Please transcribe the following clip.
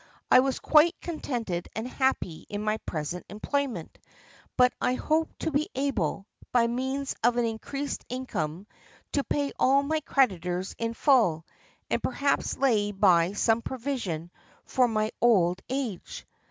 I was quite contented and happy in my present employment, but I hoped to be able, by means of an increased income, to pay all my old creditors in full, and perhaps lay by some provision for my old age.